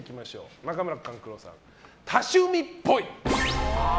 中村勘九郎さん、多趣味っぽい。